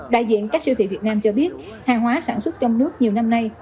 đại diện các siêu thị việt nam cho biết hàng hóa sản xuất trong nước nhiều năm nay